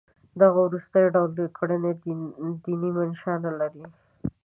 دغه د وروستي ډول کړنې دیني منشأ نه لري.